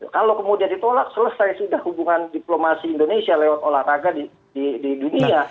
kalau kemudian ditolak selesai sudah hubungan diplomasi indonesia lewat olahraga di dunia